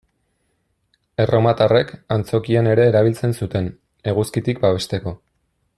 Erromatarrek, antzokian ere erabiltzen zuten, eguzkitik babesteko.